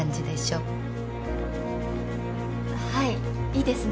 はいいいですね